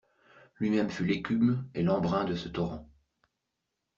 Lui-même fut l'écume et l'embrun de ce torrent.